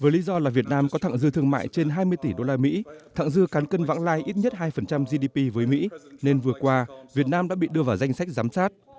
với lý do là việt nam có thẳng dư thương mại trên hai mươi tỷ usd thẳng dư cán cân vãng lai ít nhất hai gdp với mỹ nên vừa qua việt nam đã bị đưa vào danh sách giám sát